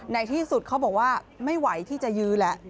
ในที่สุดเขาบอกว่าไม่ไหวที่จะยื้อแล้ว